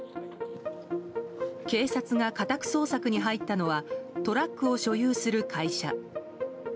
警察が家宅捜索に入ったのはトラックを所有する会社。